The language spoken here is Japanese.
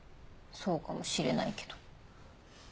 そうかもしれないけど。